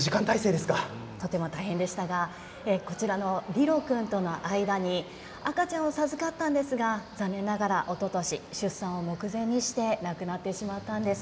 とても大変でしたがこちらの、リロ君との間に赤ちゃんを授かったんですが残念ながらおととし出産を目前にして亡くなってしまったんです。